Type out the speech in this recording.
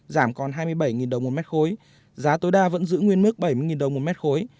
giảm còn hai mươi bảy đồng một mét khối giá tối đa vẫn giữ nguyên mức bảy mươi đồng một mét khối